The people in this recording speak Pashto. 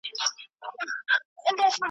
خلک په اختر کې خوشالي کوي.